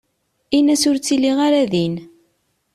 In-as ur ttiliɣ ara din.